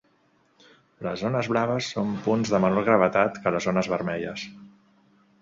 Les zones blaves són punts de menor gravetat que les zones vermelles.